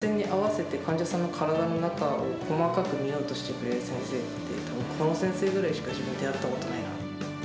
こんだけ患者さんの目線に合わせて、患者さんの体の中を細かく診ようとしてくれる先生って、たぶんこの先生ぐらいしか、自分、出会ったことないなと。